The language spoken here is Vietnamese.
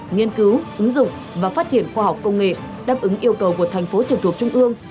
nghiên cứu ứng dụng và phát triển khoa học công nghệ đáp ứng yêu cầu của thành phố trực thuộc trung ương